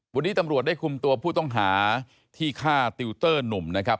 วันนี้ตำรวจได้คุมตัวผู้ต้องหาที่ฆ่าติวเตอร์หนุ่มนะครับ